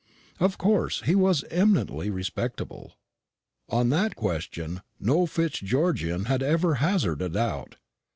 Of course he was eminently respectable. On that question no Fitzgeorgian had ever hazarded a doubt.